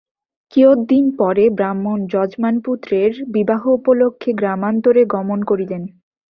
কিয়ৎ দিন পরে ব্রাহ্মণ যজমানপুত্রের বিবাহোপলক্ষে গ্রামান্তরে গমন করিলেন।